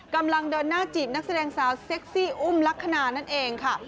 กำลังเดินหน้าจีบนักแสดงสาวเซ็กซี่อุ้มลักษณะนั่นเองค่ะ